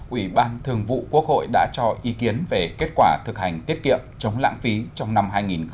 ủy ban thường vụ quốc hội đã cho ý kiến về kết quả thực hành tiết kiệm chống lãng phí trong năm hai nghìn hai mươi